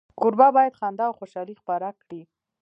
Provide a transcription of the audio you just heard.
کوربه باید خندا او خوشالي خپره کړي.